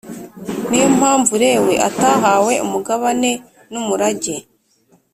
Ni yo mpamvu Lewi atahawe umugabane n’umurage